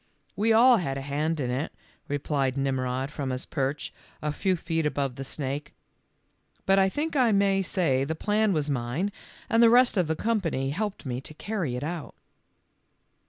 w We all had a hand in it," replied Mmrod from his perch a few feet above the snake, lf but I think I may say the plan was mine and the rest of the company helped me to carry it out."